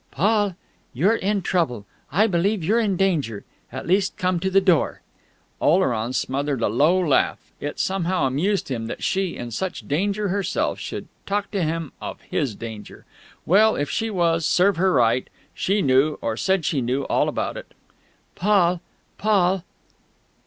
"Paul!... You're in trouble.... I believe you're in danger... at least come to the door!..." Oleron smothered a low laugh. It somehow amused him that she, in such danger herself, should talk to him of his danger!... Well, if she was, serve her right; she knew, or said she knew, all about it.... "Paul!... Paul!..."